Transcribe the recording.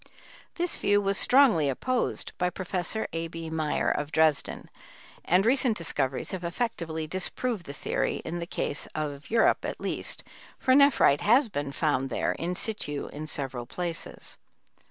This view was strongly opposed by Prof. A. B. Meyer, of Dresden, and recent discoveries have effectively disproved the theory in the case of Europe at least, for nephrite has been found there in situ in several places.